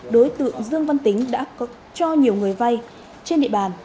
đối tượng dương văn tính đã cho nhiều người vay trên địa bàn